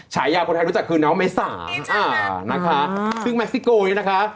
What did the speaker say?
ฉายาคนไทยรู้จักคือน้องเมษาอ่านะคะซึ่งเม็กซิโกยนะคะ